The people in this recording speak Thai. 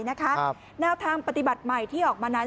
แนวทางปฏิบัติใหม่ที่ออกมานั้น